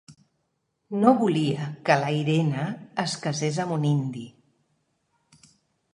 No volia que la Irene es casés amb un indi.